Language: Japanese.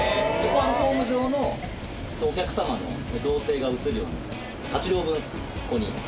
ホーム上のお客様の動静が映るように、８両分、ここに。